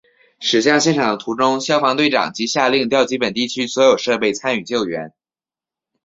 驶向现场的途中消防队长即下令调集本地区所有设备参与救援。